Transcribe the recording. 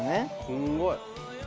すんごい。